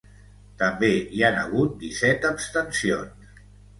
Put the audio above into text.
També hi han hagut disset abstencions.